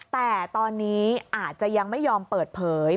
แต่ตอนนี้อาจจะยังไม่ยอมเปิดเผย